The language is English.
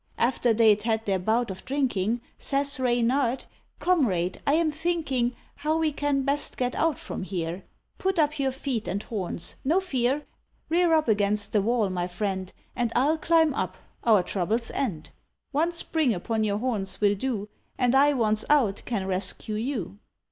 After they'd had their bout of drinking, Says Reynard, "Comrade, I am thinking How we can best get out from here; Put up your feet and horns no fear Rear up against the wall, my friend, And I'll climb up our troubles end. One spring upon your horns will do; And I once out can rescue you."